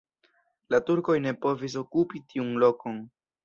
La turkoj ne povis okupi tiun lokon.